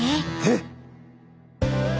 えっ！？